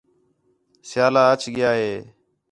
سیالا اَچ ڳِیا ہے